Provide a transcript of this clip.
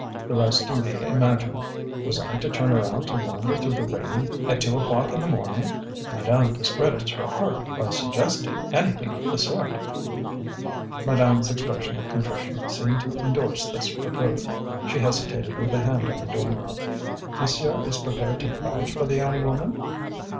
The rest you may imagine. Was I to turn her out to wander through the rain at two o'clock in the morning? Madame discredits her heart by suggesting anything of the sort!" Madame's expression of contrition seemed to endorse this reproof. She hesitated with a hand on the doorknob. "Monsieur is prepared to vouch for the young woman?"